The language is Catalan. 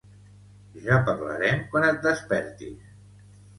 Ja parlarem quan et despertis